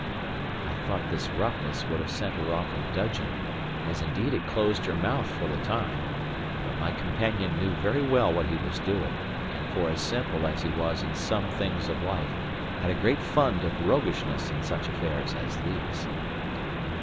I thought this roughness would have sent her off in dudgeon, as indeed it closed her mouth for the time. But my companion knew very well what he was doing; and for as simple as he was in some things of life, had a great fund of roguishness in such affairs as these.